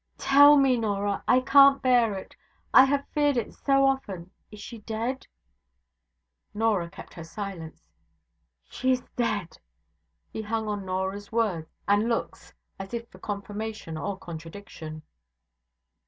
'Tell me, Norah I can bear it I have feared it so often. Is she dead?' Norah still kept silence. 'She is dead!' He hung on Norah's words and looks, as if for confirmation or contradiction.